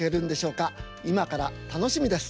今から楽しみです。